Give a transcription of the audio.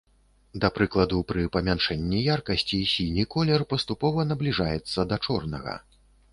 Да прыкладу, пры памяншэнні яркасці сіні колер паступова набліжаецца да чорнага.